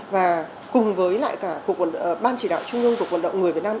và cùng với lại cả ban chỉ đạo trung ương của quần động người việt nam